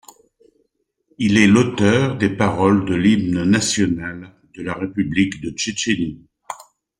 Il est l'auteur des paroles de l'hymne national de la République de Tchétchénie.